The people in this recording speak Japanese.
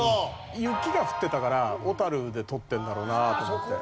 雪が降ってたから小樽で撮ってるんだろうなと思って。